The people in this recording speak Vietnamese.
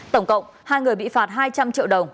tổng cộng hai người bị phạt hai trăm linh triệu đồng